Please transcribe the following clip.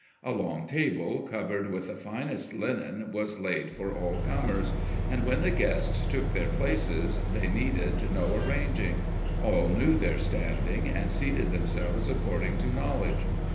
A long table, covered with the finest linen, was laid for all comers; and when the guests took their places, they needed no arranging; all knew their standing, and seated themselves according to knowledge.